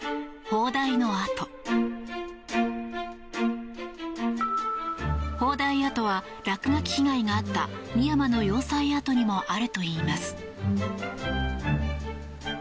砲台跡は落書き被害があった深山の要塞跡にもあるといいます。